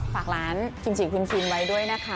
ฝากร้านกิมจิคินไว้ด้วยนะคะ